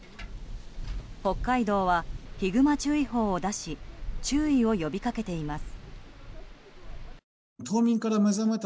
北海道はヒグマ注意報を出し注意を呼び掛けています。